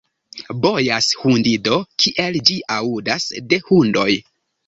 Bojas hundido, kiel ĝi aŭdas de hundoj.